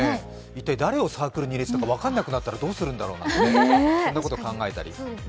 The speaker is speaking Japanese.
一体、誰をサークルに入れたか分からなくなったらどうするんだろうな、そんなこと考えたり。